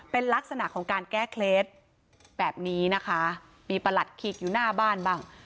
เป็นลักษณะของการแก้เคล็ดแบบนี้นะคะมีประหลัดขีกอยู่หน้าบ้านบ้าง